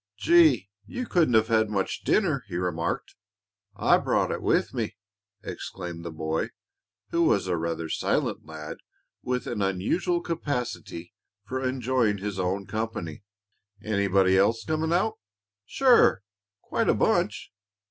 "Gee! You couldn't have had much dinner," he remarked. "I brought it with me," exclaimed the boy, who was a rather silent lad with an unusual capacity for enjoying his own company. "Anybody else coming out?" "Sure; quite a bunch.